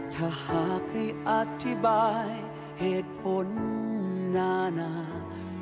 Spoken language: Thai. ถ้าหากให้อธิบายเหตุผลนานา